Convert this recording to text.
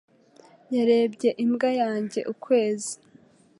Yarebye imbwa yanjye ukwezi.